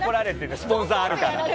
スポンサーあるから。